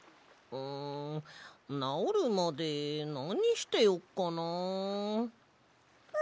んなおるまでなにしてよっかな。